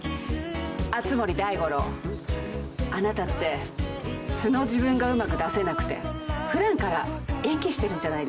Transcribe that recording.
熱護大五郎あなたって素の自分がうまく出せなくて普段から演技してるんじゃないですか？